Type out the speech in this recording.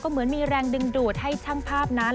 เหมือนมีแรงดึงดูดให้ช่างภาพนั้น